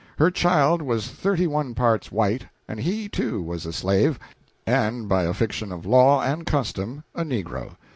Her child was thirty one parts white, and he, too, was a slave, and by a fiction of law and custom a negro.